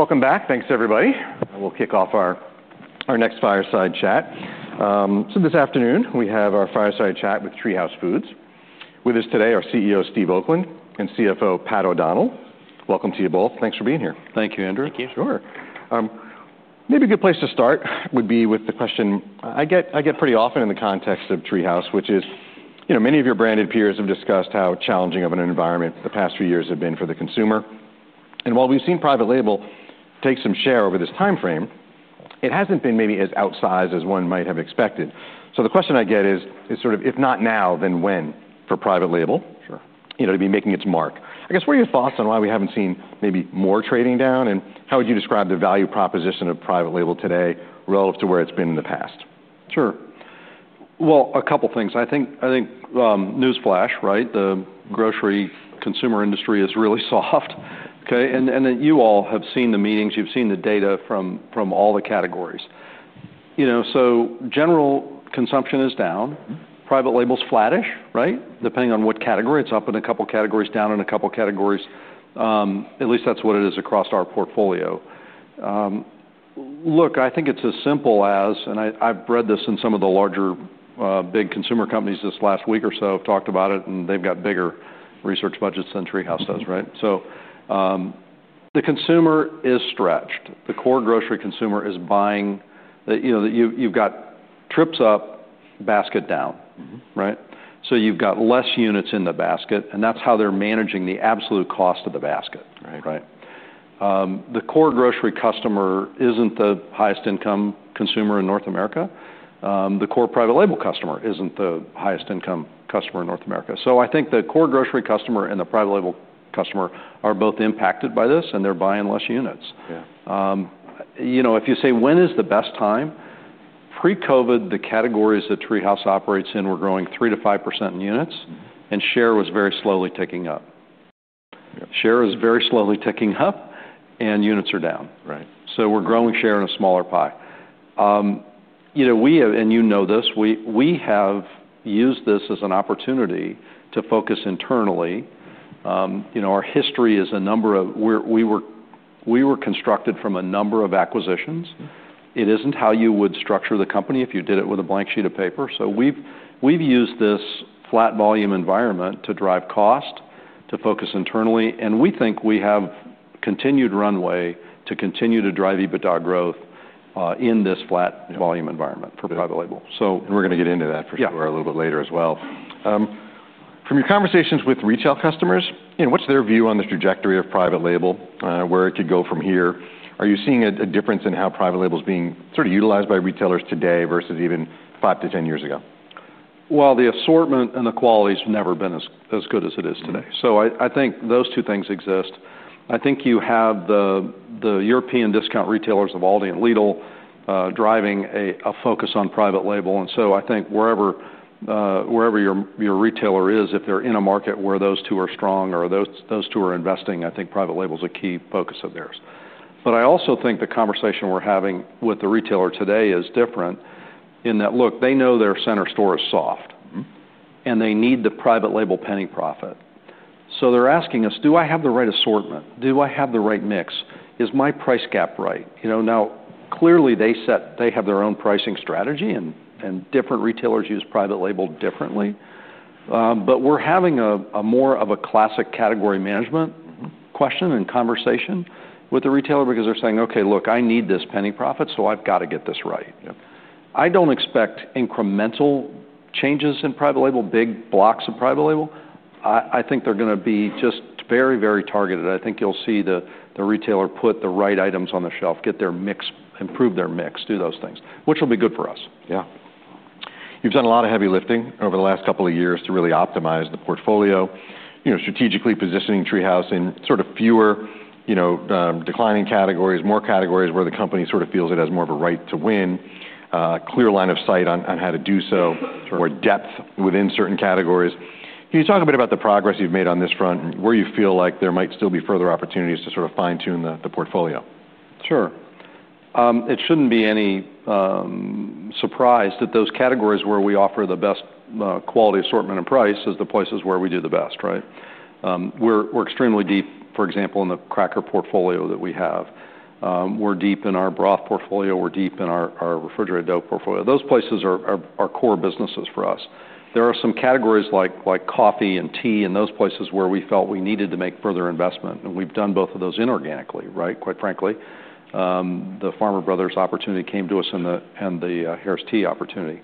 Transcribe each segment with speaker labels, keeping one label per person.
Speaker 1: Welcome back. Thanks, everybody. We'll kick off our next fireside chat. So this afternoon, we have our fireside chat with TreeHouse Foods. With us today are CEO, Steve Oakland, and CFO, Pat O'Donnell. Welcome to you both. Thanks for being here.
Speaker 2: Thank you, Andrew.
Speaker 3: Thank you.
Speaker 1: Sure. Maybe a good place to start would be with the question I get pretty often in the context of TreeHouse, which is, you know, many of your branded peers have discussed how challenging of an environment the past few years have been for the consumer, and while we've seen private label take some share over this timeframe, it hasn't been maybe as outsized as one might have expected, so the question I get is sort of, if not now, then when, for private label to be making its mark? I guess, what are your thoughts on why we haven't seen maybe more trading down, and how would you describe the value proposition of private label today relative to where it's been in the past?
Speaker 2: Sure. Well, a couple things. I think newsflash, right? The grocery consumer industry is really soft, okay? And then you all have seen the meetings, you've seen the data from all the categories. You know, so general consumption is down. Private label's flattish, right? Depending on what category. It's up in a couple categories, down in a couple categories. At least that's what it is across our portfolio. Look, I think it's as simple as... And I, I've read this in some of the larger, big consumer companies this last week or so, have talked about it, and they've got bigger research budgets than TreeHouse does, right? So, the consumer is stretched. The core grocery consumer is buying, the, you know, you've got trips up, basket down. Right? So you've got less units in the basket, and that's how they're managing the absolute cost of the basket. The core grocery customer isn't the highest income consumer in North America. The core private label customer isn't the highest income customer in North America. So I think the core grocery customer and the private label customer are both impacted by this, and they're buying less units.
Speaker 1: Yeah.
Speaker 2: You know, if you say, when is the best time? Pre-COVID, the categories that TreeHouse operates in were growing 3%-5% in units and share was very slowly ticking up.
Speaker 1: Yeah.
Speaker 2: Share is very slowly ticking up and units are down.
Speaker 1: Right.
Speaker 2: So we're growing share in a smaller pie. You know, and you know this, we have used this as an opportunity to focus internally. You know, our history is a number of where we were. We were constructed from a number of acquisitions. It isn't how you would structure the company if you did it with a blank sheet of paper. So we've used this flat volume environment to drive cost, to focus internally, and we think we have continued runway to continue to drive EBITDA growth, in this flat volume environment for private label, so-
Speaker 1: We're gonna get into that for sure. A little bit later as well. From your conversations with retail customers, you know, what's their view on the trajectory of private label, where it could go from here? Are you seeing a difference in how private label's being sort of utilized by retailers today versus even five to ten years ago?
Speaker 2: The assortment and the quality's never been as good as it is today. I think those two things exist. I think you have the European discount retailers of Aldi and Lidl driving a focus on private label, and so I think wherever your retailer is, if they're in a market where those two are strong or those two are investing, I think private label is a key focus of theirs. But I also think the conversation we're having with the retailer today is different in that, look, they know their center store is soft and they need the private label penny profit. So they're asking us, "Do I have the right assortment? Do I have the right mix? Is my price gap right?" You know, now, clearly, they have their own pricing strategy, and, and different retailers use private label differently. But we're having a more of a classic category management question and conversation with the retailer because they're saying, "Okay, look, I need this penny profit, so I've got to get this right.
Speaker 1: Yeah.
Speaker 2: I don't expect incremental changes in private label, big blocks of private label. I think they're gonna be just very, very targeted. I think you'll see the retailer put the right items on the shelf, get their mix, improve their mix, do those things, which will be good for us.
Speaker 1: Yeah. You've done a lot of heavy lifting over the last couple of years to really optimize the portfolio, you know, strategically positioning TreeHouse in sort of fewer, you know, declining categories, more categories where the company sort of feels it has more of a right to win, a clear line of sight on how to do so more depth within certain categories. Can you talk a bit about the progress you've made on this front and where you feel like there might still be further opportunities to sort of fine-tune the portfolio?
Speaker 2: Sure. It shouldn't be any surprise that those categories where we offer the best quality, assortment, and price is the places where we do the best, right? We're extremely deep, for example, in the cracker portfolio that we have. We're deep in our broth portfolio, we're deep in our refrigerated dough portfolio. Those places are core businesses for us. There are some categories like coffee and tea, and those places where we felt we needed to make further investment, and we've done both of those inorganically, right, quite frankly. The Farmer Brothers opportunity came to us and the Harris Tea opportunity.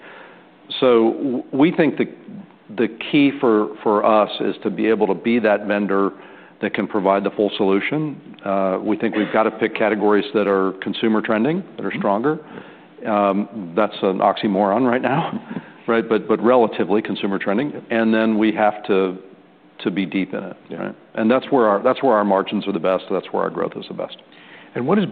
Speaker 2: So we think the key for us is to be able to be that vendor that can provide the full solution. We think we've got to pick categories that are consumer trending that are stronger. That's an oxymoron right now, right? But relatively consumer trending.
Speaker 1: Yeah.
Speaker 2: Then we have to be deep in it.
Speaker 1: Yeah.
Speaker 2: Right? And that's where our margins are the best, that's where our growth is the best.
Speaker 1: What is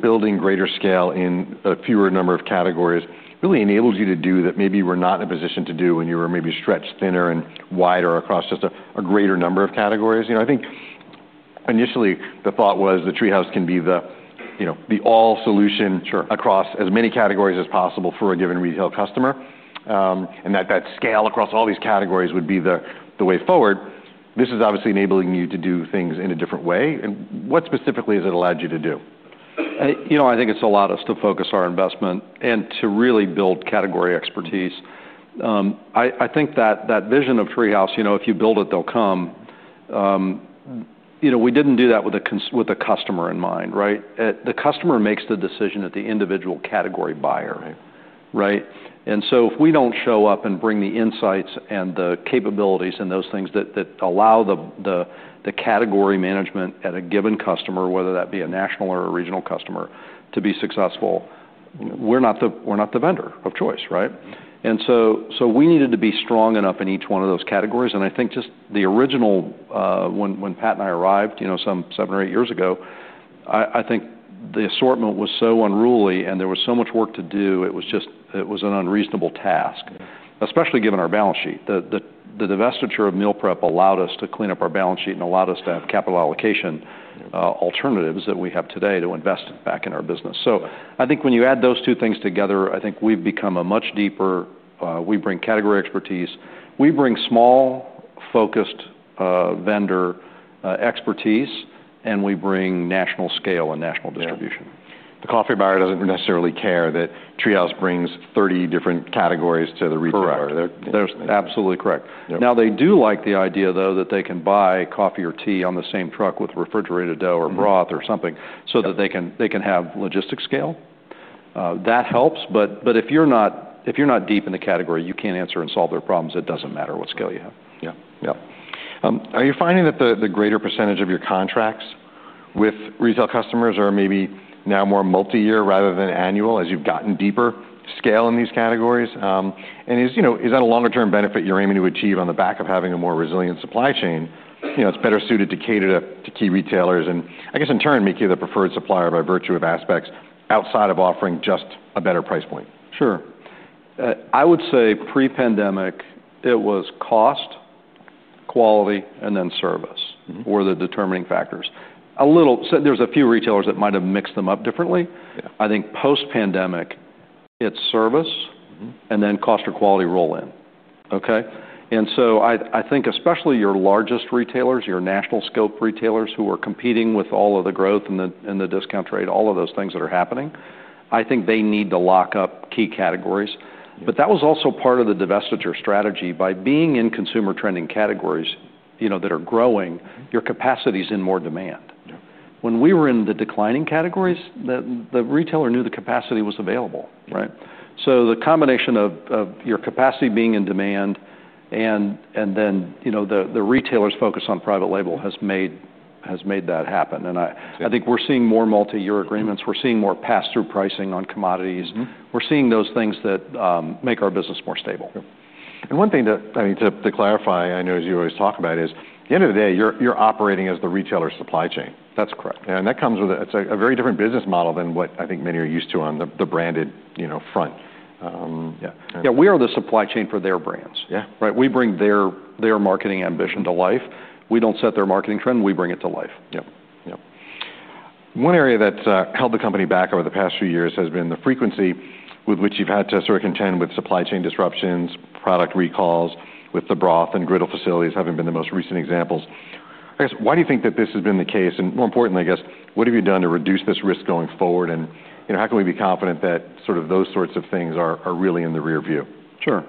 Speaker 1: building greater scale in a fewer number of categories really enables you to do that maybe you were not in a position to do when you were maybe stretched thinner and wider across just a, a greater number of categories? You know, I think initially, the thought was that TreeHouse can be the, you know, the all solution across as many categories as possible for a given retail customer and that scale across all these categories would be the way forward. This is obviously enabling you to do things in a different way, and what specifically has it allowed you to do?
Speaker 2: You know, I think it's allowed us to focus our investment and to really build category expertise. I think that vision of TreeHouse, you know, if you build it, they'll come, you know, we didn't do that with a customer in mind, right? The customer makes the decision at the individual category buyer.
Speaker 1: Right.
Speaker 2: Right? And so if we don't show up and bring the insights and the capabilities and those things that allow the category management at a given customer, whether that be a national or a regional customer, to be successful, we're not the vendor of choice, right? And so we needed to be strong enough in each one of those categories, and I think just the original when Pat and I arrived, you know, some seven or eight years ago, I think the assortment was so unruly, and there was so much work to do, it was just an unreasonable task.
Speaker 1: Yeah.
Speaker 2: Especially given our balance sheet. The divestiture of meal prep allowed us to clean up our balance sheet and allowed us to have capital allocation alternatives that we have today to invest back in our business. So I think when you add those two things together, I think we've become a much deeper we bring category expertise. We bring small, focused vendor expertise, and we bring national scale and national distribution.
Speaker 1: Yeah. The coffee buyer doesn't necessarily care that TreeHouse brings 30 different categories to the retailer.
Speaker 2: Correct. That's absolutely correct.
Speaker 1: Yeah.
Speaker 2: Now, they do like the idea, though, that they can buy coffee or tea on the same truck with refrigerated dough or broth or something, so that they can have logistic scale. That helps, but if you're not deep in the category, you can't answer and solve their problems, it doesn't matter what scale you have.
Speaker 1: Yeah. Yep. Are you finding that the greater percentage of your contracts with retail customers are maybe now more multi-year rather than annual, as you've gotten deeper scale in these categories? And, you know, is that a longer term benefit you're aiming to achieve on the back of having a more resilient supply chain? You know, it's better suited to cater to key retailers, and I guess in turn, make you the preferred supplier by virtue of aspects outside of offering just a better price point.
Speaker 2: Sure. I would say pre-pandemic, it was cost, quality, and then service were the determining factors. So there's a few retailers that might have mixed them up differently.
Speaker 1: Yeah.
Speaker 2: I think post-pandemic, it's service and then cost or quality roll in. Okay? And so I think especially your largest retailers, your national scope retailers who are competing with all of the growth in the discount trade, all of those things that are happening, I think they need to lock up key categories.
Speaker 1: Yeah.
Speaker 2: But that was also part of the divestiture strategy. By being in consumer trending categories, you know, that are growing your capacity is in more demand.
Speaker 1: Yeah.
Speaker 2: When we were in the declining categories, the retailer knew the capacity was available, right?
Speaker 1: Yeah.
Speaker 2: So the combination of your capacity being in demand and then, you know, the retailers focused on private label has made that happen.
Speaker 1: Yeah
Speaker 2: And I think we're seeing more multi-year agreements. We're seeing more pass-through pricing on commodities. We're seeing those things that make our business more stable.
Speaker 1: Yeah, and one thing that, I mean, to clarify, I know as you always talk about is, at the end of the day, you're operating as the retailer supply chain.
Speaker 2: That's correct.
Speaker 1: That comes with a. It's a very different business model than what I think many are used to on the branded, you know, front.
Speaker 2: Yeah, we are the supply chain for their brands.
Speaker 1: Yeah.
Speaker 2: Right? We bring their marketing ambition to life. We don't set their marketing trend, we bring it to life.
Speaker 1: Yep. Yep. One area that's held the company back over the past few years has been the frequency with which you've had to sort of contend with supply chain disruptions, product recalls, with the broth and griddle facilities having been the most recent examples. I guess, why do you think that this has been the case? And more importantly, I guess, what have you done to reduce this risk going forward and, you know, how can we be confident that sort of those sorts of things are really in the rear view?
Speaker 2: Sure.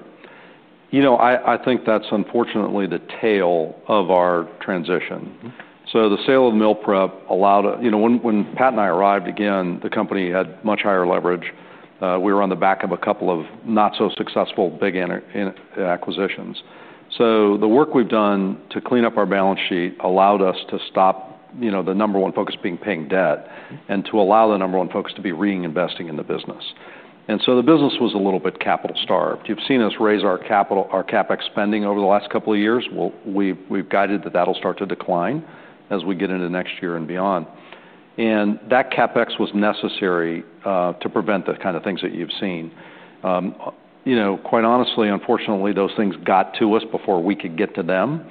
Speaker 2: You know, I think that's unfortunately the tail of our transition. So the sale of meal prep allowed, you know, when Pat and I arrived again, the company had much higher leverage. We were on the back of a couple of not-so-successful big acquisitions. So the work we've done to clean up our balance sheet allowed us to stop, you know, the number one focus being paying debt, and to allow the number one focus to be reinvesting in the business. And so the business was a little bit capital starved. You've seen us raise our capital, our CapEx spending over the last couple of years. Well, we've guided that that'll start to decline as we get into next year and beyond. And that CapEx was necessary to prevent the kind of things that you've seen. You know, quite honestly, unfortunately, those things got to us before we could get to them.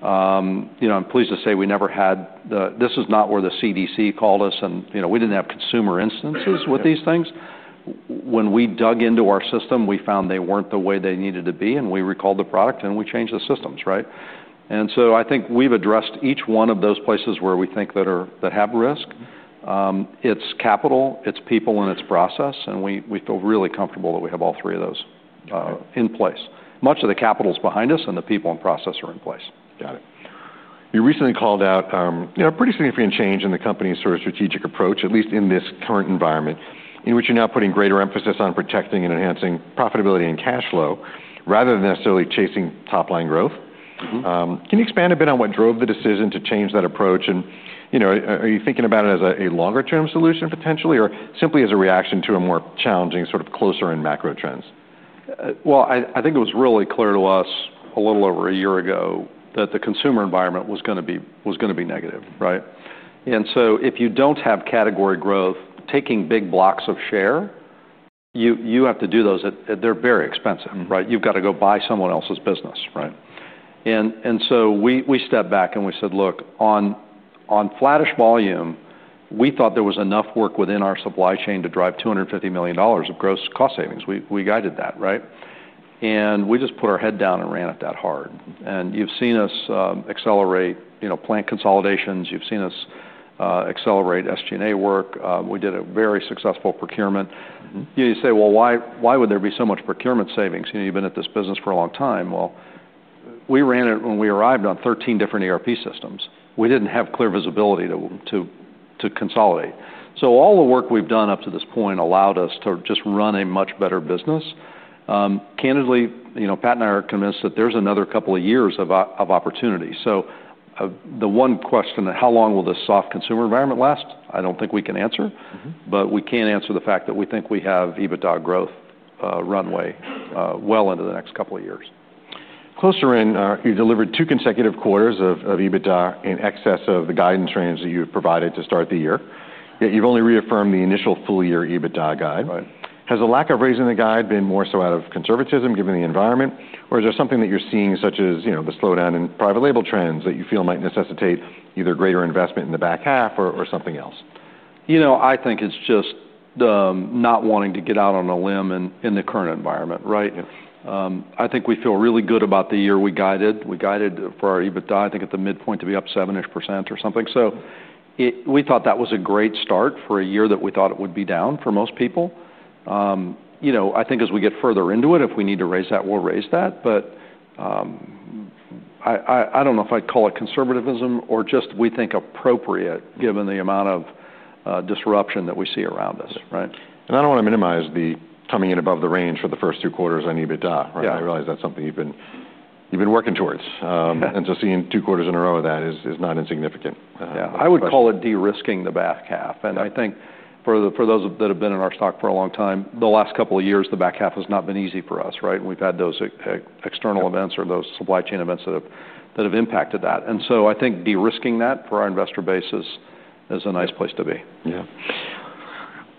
Speaker 2: You know, I'm pleased to say we never had the... This is not where the CDC called us, and, you know, we didn't have consumer instances with these things.
Speaker 1: Yeah.
Speaker 2: When we dug into our system, we found they weren't the way they needed to be, and we recalled the product, and we changed the systems, right? And so I think we've addressed each one of those places where we think that have risk. It's capital, it's people, and it's process, and we feel really comfortable that we have all three of those in place. Much of the capital is behind us, and the people and process are in place.
Speaker 1: Got it. You recently called out, you know, a pretty significant change in the company's sort of strategic approach, at least in this current environment, in which you're now putting greater emphasis on protecting and enhancing profitability and cash flow, rather than necessarily chasing top-line growth. Mm-hmm. Can you expand a bit on what drove the decision to change that approach? And, you know, are you thinking about it as a longer-term solution potentially, or simply as a reaction to a more challenging, sort of closer-in macro trends?
Speaker 2: Well, I think it was really clear to us a little over a year ago that the consumer environment was gonna be negative, right? And so if you don't have category growth, taking big blocks of share, you have to do those and they're very expensive. Right? You've got to go buy someone else's business, right? And so we stepped back and we said, "Look, on flattish volume, we thought there was enough work within our supply chain to drive $250 million of gross cost savings." We guided that, right? And we just put our head down and ran it that hard. And you've seen us accelerate, you know, plant consolidations. You've seen us accelerate SG&A work. We did a very successful procurement. You say, "Well, why would there be so much procurement savings? You know, you've been at this business for a long time." Well, we ran it when we arrived on 13 different ERP systems. We didn't have clear visibility to consolidate. So all the work we've done up to this point allowed us to just run a much better business. Candidly, you know, Pat and I are convinced that there's another couple of years of opportunity. So, the one question, how long will this soft consumer environment last? I don't think we can answer. But we can answer the fact that we think we have EBITDA growth, runway, well into the next couple of years.
Speaker 1: Closer in, you delivered two consecutive quarters of EBITDA in excess of the guidance range that you had provided to start the year, yet you've only reaffirmed the initial full-year EBITDA guide. Has the lack of raising the guide been more so out of conservatism, given the environment, or is there something that you're seeing, such as, you know, the slowdown in private label trends, that you feel might necessitate either greater investment in the back half or, or something else?
Speaker 2: You know, I think it's just the not wanting to get out on a limb in the current environment, right?
Speaker 1: Yeah.
Speaker 2: I think we feel really good about the year we guided. We guided for our EBITDA, I think, at the midpoint to be up 7%-ish or something. So we thought that was a great start for a year that we thought it would be down for most people. You know, I think as we get further into it, if we need to raise that, we'll raise that, but I don't know if I'd call it conservatism or just we think appropriate, given the amount of disruption that we see around us, right?
Speaker 1: I don't want to minimize the coming in above the range for the first two quarters on EBITDA.
Speaker 2: Yeah.
Speaker 1: I realize that's something you've been working towards and so seeing two quarters in a row of that is not insignificant.
Speaker 2: Yeah. I would call it de-risking the back half.
Speaker 1: Yeah.
Speaker 2: And I think for those that have been in our stock for a long time, the last couple of years, the back half has not been easy for us, right? We've had those external events or those supply chain events that have impacted that. And so I think de-risking that for our investor base is a nice place to be.
Speaker 1: Yeah.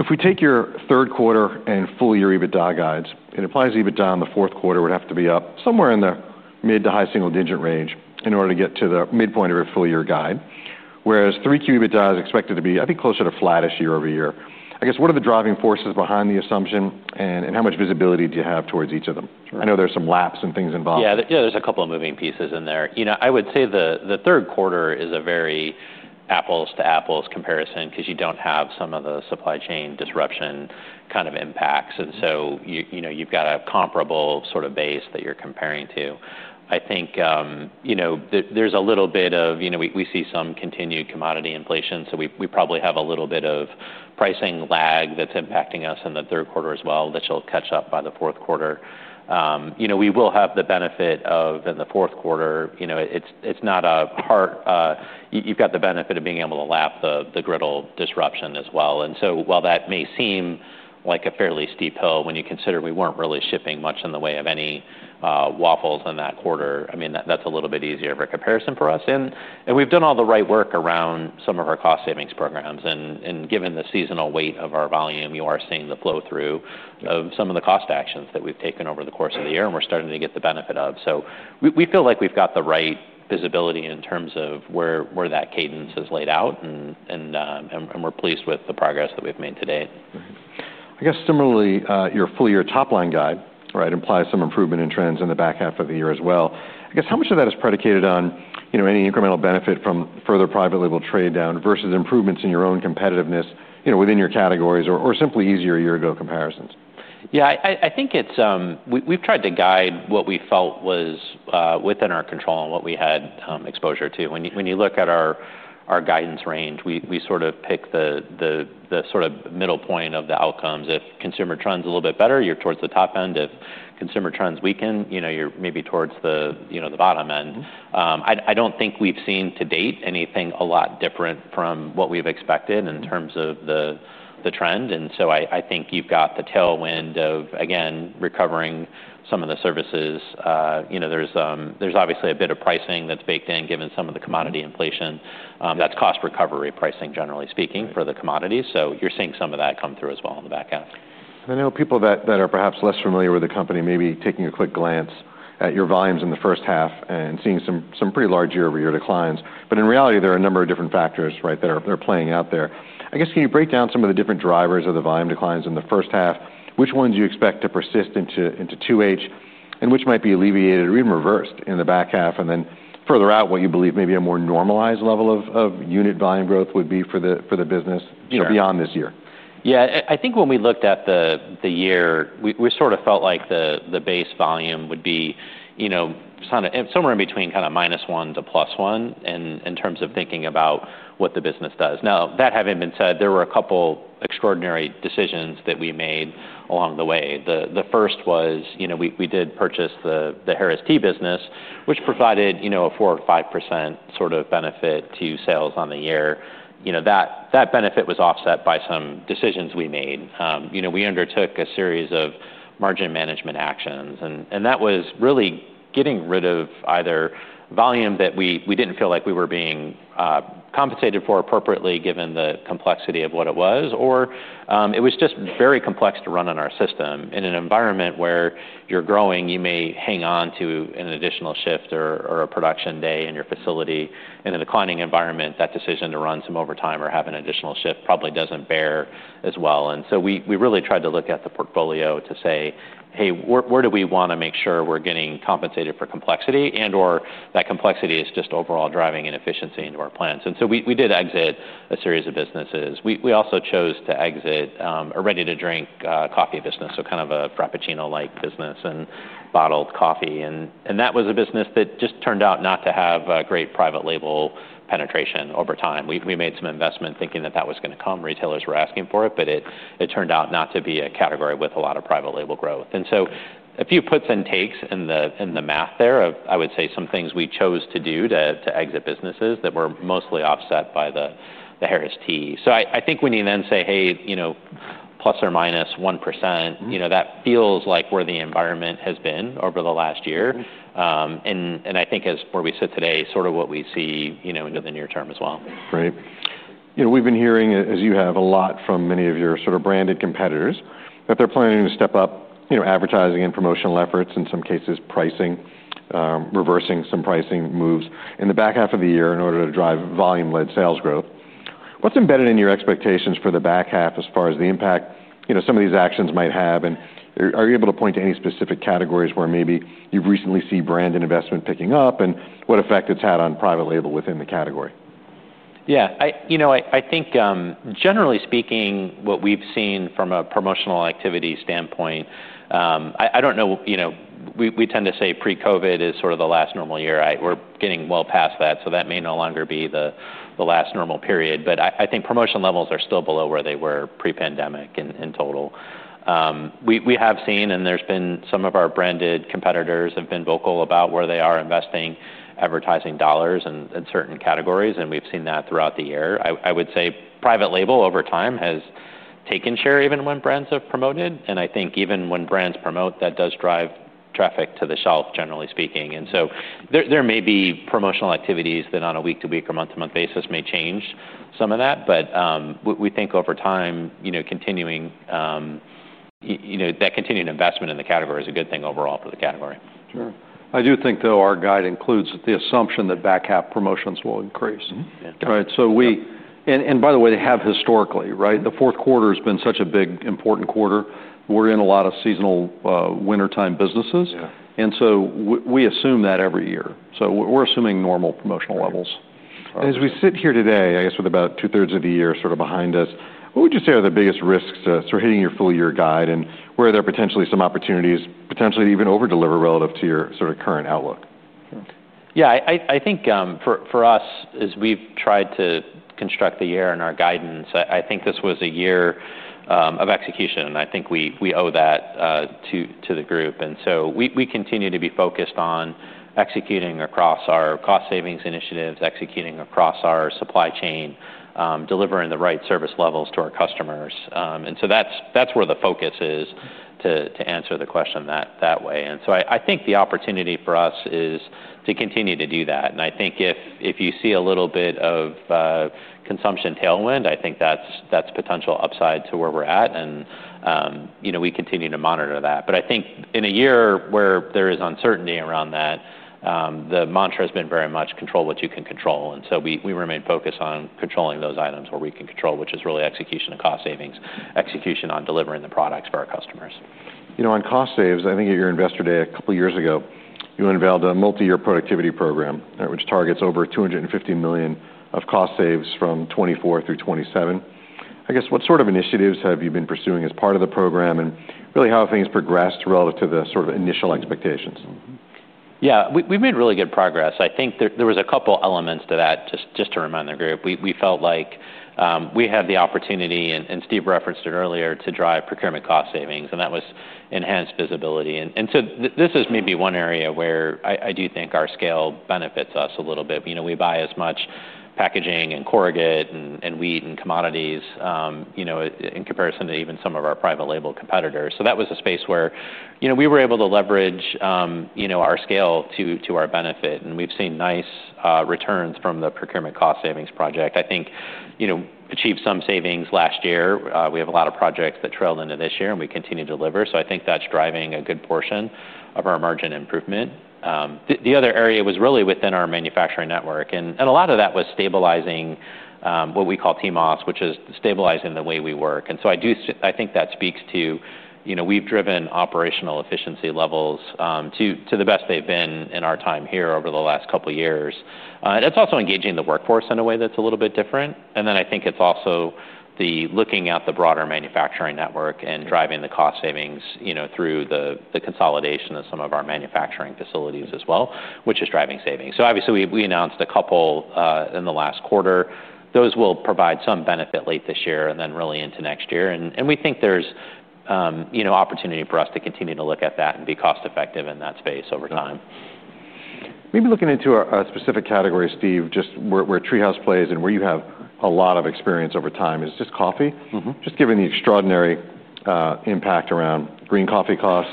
Speaker 1: If we take your third quarter and full-year EBITDA guides, it implies EBITDA in the fourth quarter would have to be up somewhere in the mid- to high single-digit range in order to get to the midpoint of a full-year guide, whereas 3Q EBITDA is expected to be, I think, closer to flattish year over year. I guess, what are the driving forces behind the assumption, and how much visibility do you have towards each of them?
Speaker 2: Sure.
Speaker 1: I know there's some lapses and things involved.
Speaker 3: Yeah. Yeah, there's a couple of moving pieces in there. You know, I would say the third quarter is a very apples-to-apples comparison because you don't have some of the supply chain disruption kind of impacts. And so you know, you've got a comparable sort of base that you're comparing to. I think, you know, there's a little bit of, you know, we see some continued commodity inflation, so we probably have a little bit of pricing lag that's impacting us in the third quarter as well, that shall catch up by the fourth quarter. You know, we will have the benefit of, in the fourth quarter, you know, it's not a part. You've got the benefit of being able to lap the griddle disruption as well. And so while that may seem like a fairly steep hill, when you consider we weren't really shipping much in the way of any waffles in that quarter, I mean, that's a little bit easier of a comparison for us. We've done all the right work around some of our cost savings programs, and given the seasonal weight of our volume, you are seeing the flow-through of some of the cost actions that we've taken over the course of the year, and we're starting to get the benefit of, so we feel like we've got the right visibility in terms of where that cadence is laid out, and we're pleased with the progress that we've made to date.
Speaker 1: Mm-hmm. I guess similarly, your full-year top-line guide, right, implies some improvement in trends in the back half of the year as well. I guess, how much of that is predicated on, you know, any incremental benefit from further private label trade down versus improvements in your own competitiveness, you know, within your categories or, or simply easier year-ago comparisons?
Speaker 3: Yeah, I think it's... We've tried to guide what we felt was within our control and what we had exposure to. When you look at our guidance range, we sort of pick the sort of middle point of the outcomes. If consumer trend's a little bit better, you're towards the top end. If consumer trends weaken, you know, you're maybe towards the, you know, the bottom end. I don't think we've seen to date anything a lot different from what we've expected. In terms of the trend, and so I think you've got the tailwind of, again, recovering some of the services. You know, there's obviously a bit of pricing that's baked in, given some of the commodity inflation that's cost recovery pricing, generally speaking for the commodities, so you're seeing some of that come through as well in the back half.
Speaker 1: I know people that are perhaps less familiar with the company may be taking a quick glance at your volumes in the first half and seeing some pretty large year-over-year declines. But in reality, there are a number of different factors, right, that are playing out there. I guess, can you break down some of the different drivers of the volume declines in the first half? Which ones do you expect to persist into 2H, and which might be alleviated or even reversed in the back half, and then further out, what you believe may be a more normalized level of unit volume growth would be for the business beyond this year?
Speaker 3: Yeah, I think when we looked at the year, we sort of felt like the base volume would be, you know, kind of, somewhere in between kind of minus one to plus one in terms of thinking about what the business does. Now, that having been said, there were a couple extraordinary decisions that we made along the way. The first was, you know, we did purchase the Harris Tea business, which provided, you know, a 4 or 5% sort of benefit to sales on the year. You know, that benefit was offset by some decisions we made. You know, we undertook a series of margin management actions, and that was really getting rid of either volume that we didn't feel like we were being compensated for appropriately, given the complexity of what it was, or it was just very complex to run on our system. In an environment where you're growing, you may hang on to an additional shift or a production day in your facility. In a declining environment, that decision to run some overtime or have an additional shift probably doesn't bear as well. And so we really tried to look at the portfolio to say, "Hey, where do we wanna make sure we're getting compensated for complexity and/or that complexity is just overall driving inefficiency into our plans?" And so we did exit a series of businesses. We also chose to exit a ready-to-drink coffee business, so kind of a Frappuccino-like business and bottled coffee, and that was a business that just turned out not to have a great private label penetration over time. We made some investment thinking that that was gonna come, retailers were asking for it, but it turned out not to be a category with a lot of private label growth. And so a few puts and takes in the math there of, I would say, some things we chose to do to exit businesses that were mostly offset by the Harris Tea. So I think when you then say, "Hey, you know, plus or minus 1%". You know, that feels like where the environment has been over the last year. And I think as where we sit today, sort of what we see, you know, into the near term as well.
Speaker 1: Great. You know, we've been hearing, as you have, a lot from many of your sort of branded competitors, that they're planning to step up, you know, advertising and promotional efforts, in some cases pricing, reversing some pricing moves in the back half of the year in order to drive volume-led sales growth. What's embedded in your expectations for the back half as far as the impact, you know, some of these actions might have, and are you able to point to any specific categories where maybe you recently see brand and investment picking up, and what effect it's had on private label within the category?
Speaker 3: Yeah. You know, I think, generally speaking, what we've seen from a promotional activity standpoint, I don't know, you know, we tend to say pre-COVID is sort of the last normal year. We're getting well past that, so that may no longer be the last normal period. But I think promotional levels are still below where they were pre-pandemic in total. We have seen, and there's been some of our branded competitors have been vocal about where they are investing advertising dollars in certain categories, and we've seen that throughout the year. I would say private label over time has taken share, even when brands have promoted, and I think even when brands promote, that does drive traffic to the shelf, generally speaking. There may be promotional activities that on a week-to-week or month-to-month basis may change some of that, but we think over time, you know, continuing you know, that continuing investment in the category is a good thing overall for the category.
Speaker 1: Sure.
Speaker 2: I do think, though, our guide includes the assumption that back half promotions will increase.
Speaker 1: Mm-hmm. Yeah.
Speaker 2: Right. So we- By the way, they have historically, right? The fourth quarter has been such a big, important quarter. We're in a lot of seasonal, wintertime businesses.
Speaker 1: Yeah
Speaker 2: And so we assume that every year. So we're assuming normal promotional levels.
Speaker 1: Right. As we sit here today, I guess with about two-thirds of the year sort of behind us, what would you say are the biggest risks to sort of hitting your full year guide, and where there are potentially some opportunities, potentially even over-deliver relative to your sort of current outlook?
Speaker 3: Yeah, I think for us, as we've tried to construct the year and our guidance, I think this was a year of execution, and I think we owe that to the group. And so we continue to be focused on executing across our cost savings initiatives, executing across our supply chain, delivering the right service levels to our customers. And so that's where the focus is, to answer the question that way. And so I think the opportunity for us is to continue to do that, and I think if you see a little bit of consumption tailwind, I think that's potential upside to where we're at, and you know, we continue to monitor that. But I think in a year where there is uncertainty around that, the mantra has been very much: control what you can control. And so we remain focused on controlling those items where we can control, which is really execution and cost savings, execution on delivering the products for our customers.
Speaker 1: You know, on cost saves, I think at your Investor Day a couple of years ago, you unveiled a multi-year productivity program, which targets over $250 million of cost saves from 2024 through 2027. I guess, what sort of initiatives have you been pursuing as part of the program, and really how have things progressed relative to the sort of initial expectations?
Speaker 3: Yeah, we've made really good progress. I think there was a couple elements to that, just to remind the group. We felt like we had the opportunity, and Steve referenced it earlier, to drive procurement cost savings, and that was enhanced visibility. This is maybe one area where I do think our scale benefits us a little bit. You know, we buy as much packaging and corrugate and wheat and commodities, you know, in comparison to even some of our private label competitors. So that was a space where, you know, we were able to leverage, you know, our scale to our benefit, and we've seen nice returns from the procurement cost savings project. I think, you know, achieved some savings last year. We have a lot of projects that trailed into this year, and we continue to deliver, so I think that's driving a good portion of our margin improvement. The other area was really within our manufacturing network, and a lot of that was stabilizing what we call TMOS, which is stabilizing the way we work. And so I think that speaks to- We've driven operational efficiency levels to the best they've been in our time here over the last couple of years. That's also engaging the workforce in a way that's a little bit different. And then I think it's also the looking at the broader manufacturing network and driving the cost savings, you know, through the consolidation of some of our manufacturing facilities as well, which is driving savings. So obviously, we announced a couple in the last quarter. Those will provide some benefit late this year, and then really into next year. And we think there's you know, opportunity for us to continue to look at that and be cost-effective in that space over time.
Speaker 1: Maybe looking into a specific category, Steve, just where TreeHouse plays and where you have a lot of experience over time is just coffee. Just given the extraordinary impact around green coffee costs,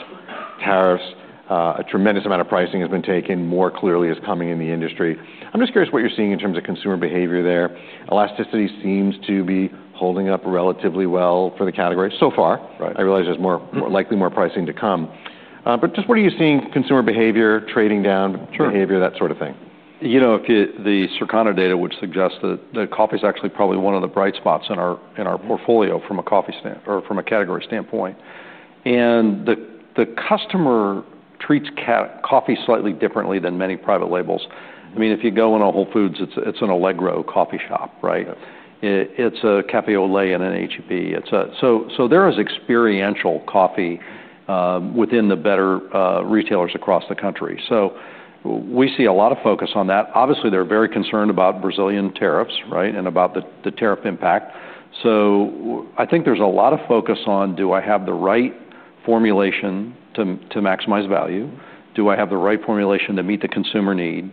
Speaker 1: tariffs, a tremendous amount of pricing has been taken, more clearly is coming in the industry. I'm just curious what you're seeing in terms of consumer behavior there. Elasticity seems to be holding up relatively well for the category so far.
Speaker 2: Right.
Speaker 1: I realize there's more - likely more pricing to come. But just what are you seeing consumer behavior, trading down behavior, that sort of thing?
Speaker 2: You know, if the Circana data, which suggests that coffee is actually probably one of the bright spots in our portfolio from a category standpoint, and the customer treats coffee slightly differently than many private labels. I mean, if you go in a Whole Foods, it's an Allegro coffee shop, right?
Speaker 1: Yeah.
Speaker 2: It's a Café Olé and an H-E-B. It's a so, so there is experiential coffee within the better retailers across the country. So we see a lot of focus on that. Obviously, they're very concerned about Brazilian tariffs, right? And about the tariff impact. So I think there's a lot of focus on, do I have the right formulation to maximize value? Do I have the right formulation to meet the consumer need?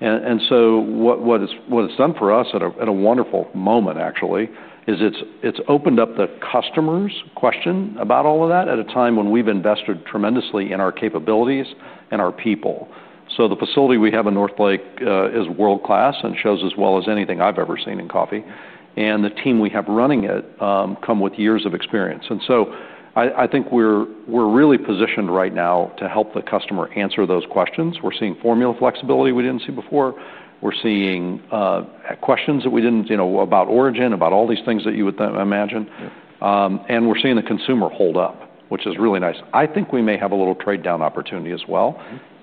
Speaker 2: And so what it's done for us at a wonderful moment, actually, is it's opened up the customer's question about all of that at a time when we've invested tremendously in our capabilities and our people. So the facility we have in Northlake is world-class and shows as well as anything I've ever seen in coffee, and the team we have running it come with years of experience. And so I, I think we're, we're really positioned right now to help the customer answer those questions. We're seeing formula flexibility we didn't see before. We're seeing questions that we didn't... You know, about origin, about all these things that you would imagine.
Speaker 1: Yeah.
Speaker 2: And we're seeing the consumer hold up, which is really nice. I think we may have a little trade-down opportunity as well.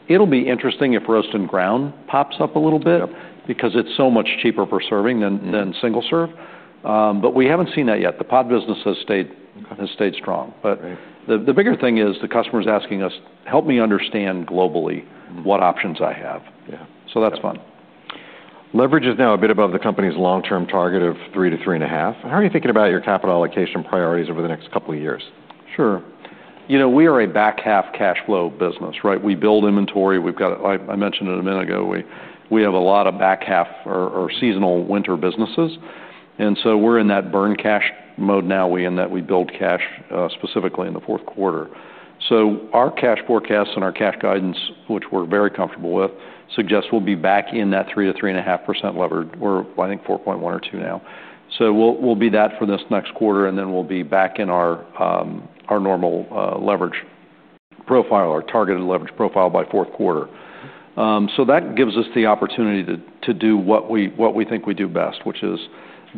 Speaker 2: It'll be interesting if roast and ground pops up a little bit because it's so much cheaper per serving than than single serve, but we haven't seen that yet. The pod business has stayed strong.
Speaker 1: Right.
Speaker 2: But the bigger thing is the customer is asking us: "Help me understand globally what options I have.
Speaker 1: Yeah.
Speaker 2: So that's fun.
Speaker 1: Leverage is now a bit above the company's long-term target of three to three and a half. How are you thinking about your capital allocation priorities over the next couple of years?
Speaker 2: Sure. You know, we are a back-half cash flow business, right? We build inventory. We've got. I mentioned it a minute ago. We have a lot of back-half or seasonal winter businesses, and so we're in that burn cash mode now, in that we build cash specifically in the fourth quarter. So our cash forecasts and our cash guidance, which we're very comfortable with, suggests we'll be back in that 3%-3.5% levered. We're, I think, 4.1 or 2 now. So we'll be that for this next quarter, and then we'll be back in our normal leverage profile or targeted leverage profile by fourth quarter. So that gives us the opportunity to do what we think we do best, which is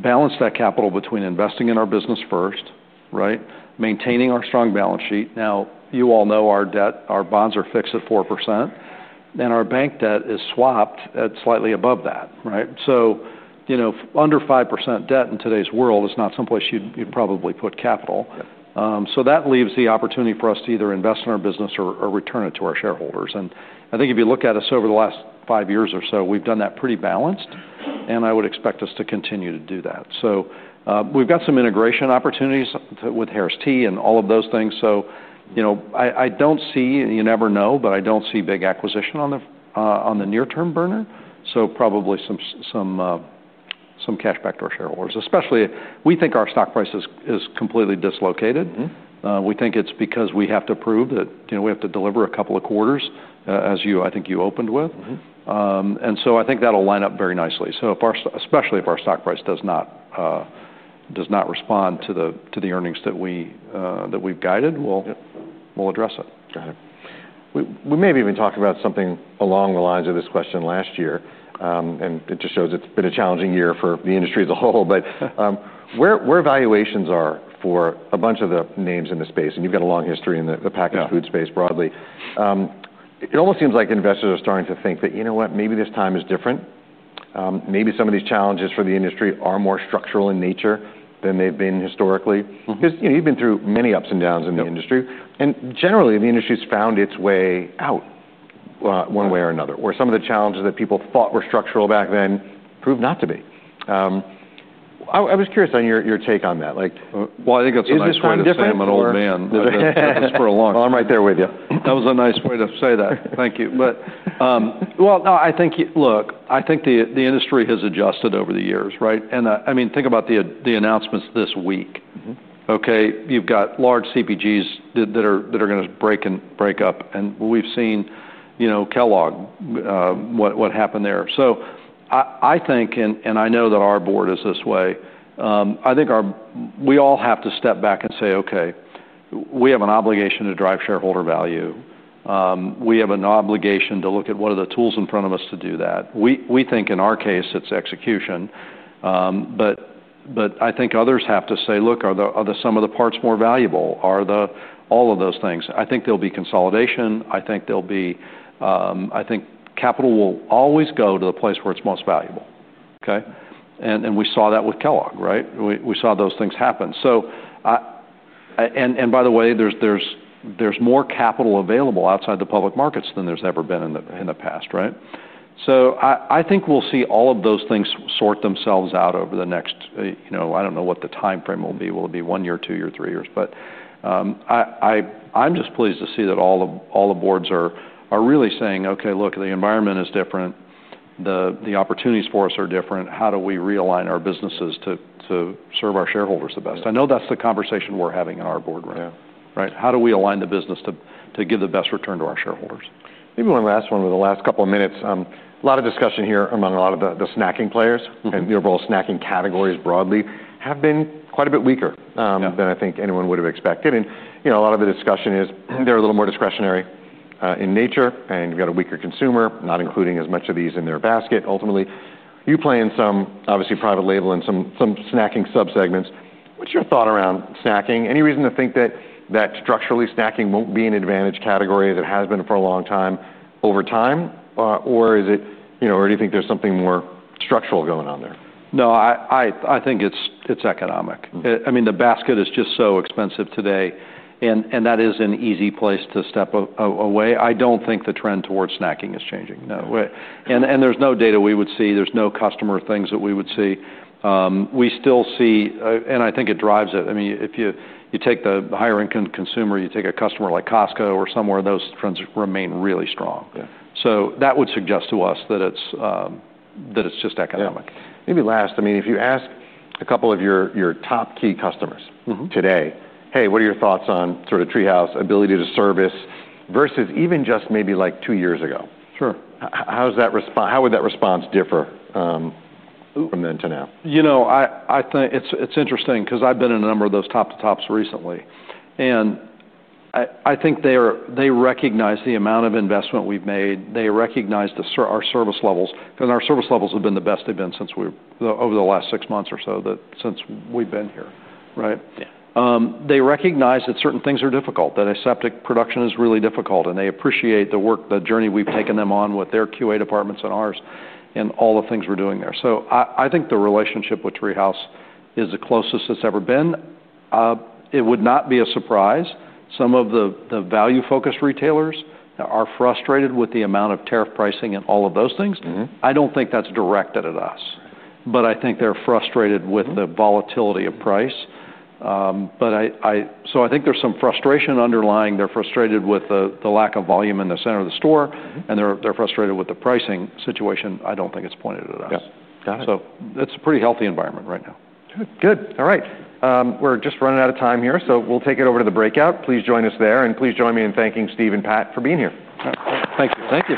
Speaker 2: balance that capital between investing in our business first, right? Maintaining our strong balance sheet. Now, you all know our debt, our bonds are fixed at 4%, and our bank debt is swapped at slightly above that, right? So, you know, under 5% debt in today's world is not someplace you'd probably put capital.
Speaker 1: Yeah.
Speaker 2: So that leaves the opportunity for us to either invest in our business or return it to our shareholders. And I think if you look at us over the last five years or so, we've done that pretty balanced, and I would expect us to continue to do that. So, we've got some integration opportunities with Harris Tea and all of those things. So, you know, I don't see... You never know, but I don't see big acquisition on the near-term burner, so probably some cash back to our shareholders. Especially, we think our stock price is completely dislocated. We think it's because we have to prove that, you know, we have to deliver a couple of quarters, as you, I think you opened with. And so I think that'll line up very nicely. So if our... Especially if our stock price does not respond to the earnings that we've guided we'll address it.
Speaker 1: Got it. We maybe even talked about something along the lines of this question last year, and it just shows it's been a challenging year for the industry as a whole. But, where valuations are for a bunch of the names in the space, and you've got a long history in the packaged food space broadly. It almost seems like investors are starting to think that, you know what? Maybe this time is different. Maybe some of these challenges for the industry are more structural in nature than they've been historically. 'Cause, you know, you've been through many ups and downs in the industry and generally, the industry's found its way out, one way or another, where some of the challenges that people thought were structural back then proved not to be. I was curious on your take on that, like-
Speaker 2: Well, I think that's a nice way-
Speaker 1: Is this one different, or?...
Speaker 2: I'm an old man. It's for a long-
Speaker 1: I'm right there with you.
Speaker 2: That was a nice way to say that. Thank you. But, well, no, I think- look, I think the industry has adjusted over the years, right? And, I mean, think about the announcements this week. Okay, you've got large CPGs that are gonna break and break up, and we've seen, you know, Kellogg, what happened there. So I think, and I know that our board is this way, I think we all have to step back and say, "Okay, we have an obligation to drive shareholder value." We have an obligation to look at what are the tools in front of us to do that. We think in our case, it's execution. But I think others have to say, "Look, are the sum of the parts more valuable? Are the..." All of those things. I think there'll be consolidation. I think capital will always go to the place where it's most valuable, okay? And we saw that with Kellogg, right? We saw those things happen. So, and by the way, there's more capital available outside the public markets than there's ever been in the past, right? So I think we'll see all of those things sort themselves out over the next, you know, I don't know what the timeframe will be. Will it be one year, two year, three years? But, I'm just pleased to see that all the boards are really saying, "Okay, look, the environment is different. The opportunities for us are different. How do we realign our businesses to serve our shareholders the best?
Speaker 1: Yeah.
Speaker 2: I know that's the conversation we're having in our board room.
Speaker 1: Yeah.
Speaker 2: Right? How do we align the business to give the best return to our shareholders?
Speaker 1: Maybe one last one over the last couple of minutes. A lot of discussion here among a lot of the snacking players and the overall snacking categories broadly have been quite a bit weaker than I think anyone would have expected. And, you know, a lot of the discussion is they're a little more discretionary in nature, and we've got a weaker consumer, not including as much of these in their basket ultimately. You play in some, obviously, private label and some snacking sub-segments. What's your thought around snacking? Any reason to think that structurally snacking won't be an advantage category that it has been for a long time, over time? Or is it, you know, or do you think there's something more structural going on there?
Speaker 2: No, I think it's economic. I mean, the basket is just so expensive today, and that is an easy place to step away. I don't think the trend towards snacking is changing, no way. There's no data we would see. There's no customer things that we would see. We still see... I think it drives it. I mean, if you take the higher income consumer, you take a customer like Costco or somewhere, those trends remain really strong.
Speaker 1: Yeah.
Speaker 2: So that would suggest to us that it's just economic.
Speaker 1: Yeah. Maybe last, I mean, if you ask a couple of your top key customers today, "Hey, what are your thoughts on sort of TreeHouse ability to service?" Versus even just maybe, like, two years ago.
Speaker 2: Sure.
Speaker 1: How would that response differ from then to now?
Speaker 2: You know, I think it's interesting 'cause I've been in a number of those top-to-tops recently, and I think they recognize the amount of investment we've made. They recognize our service levels, and our service levels have been the best they've been since we... Over the last six months or so, that since we've been here, right?
Speaker 1: Yeah.
Speaker 2: They recognize that certain things are difficult, that aseptic production is really difficult, and they appreciate the work, the journey we've taken them on with their QA departments and ours, and all the things we're doing there. So I think the relationship with TreeHouse is the closest it's ever been. It would not be a surprise, some of the value-focused retailers are frustrated with the amount of tariff pricing and all of those things. I don't think that's directed at us, but I think they're frustrated with the volatility of price, but I so I think there's some frustration underlying, they're frustrated with the lack of volume in the center of the store and they're frustrated with the pricing situation. I don't think it's pointed at us.
Speaker 1: Yeah. Got it.
Speaker 2: It's a pretty healthy environment right now.
Speaker 1: Good. Good. All right. We're just running out of time here, so we'll take it over to the breakout. Please join us there, and please join me in thanking Steve and Pat for being here.
Speaker 2: Thank you. Thank you.